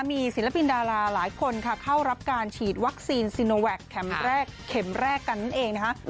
มีศิลปินดาราหลายคนค่ะเข้ารับการฉีดวัคซีนซีโนแวคเข็มแรกเข็มแรกกันนั่นเองนะคะ